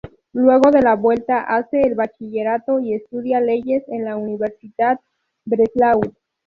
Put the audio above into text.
Luego de la vuelta hace el bachillerato y estudia leyes en la Universität Breslau.